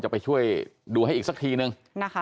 จะไปช่วยดูให้อีกสักทีหนึ่ง